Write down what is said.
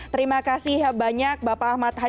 terima kasih banyak bapak ahmad hadian luky